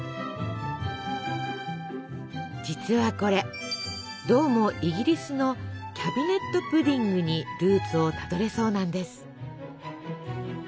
実はこれどうもイギリスの「キャビネットプディング」にルーツをたどれそうなんです。